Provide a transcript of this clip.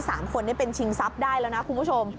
สามคนนี้เป็นชิงทรัพย์ได้แล้วนะคุณผู้ชม